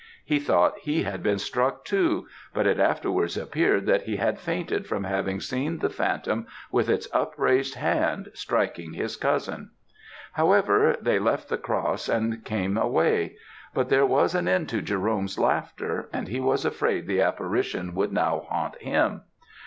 He thought he had been struck too, but it afterwards appeared that he had fainted from having seen the phantom with its upraised hand striking his cousin. However, they left the cross and came away; but there was an end to Jerome's laughter, and he was afraid the apparition would now haunt him.